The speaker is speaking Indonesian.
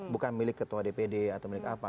bukan milik ketua dpd atau milik apa